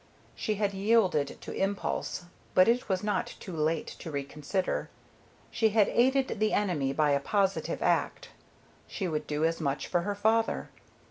She had yielded to impulse, but it was not too late to reconsider. She had aided the enemy by a positive act; she would do as much for her father.